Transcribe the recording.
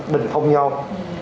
bình thông nhau